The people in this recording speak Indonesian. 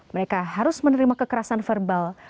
mereka harus menerima kekerasan verbal